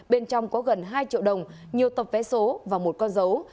bên trong có gần hai triệu đồng nhiều tập vé số và một con dấu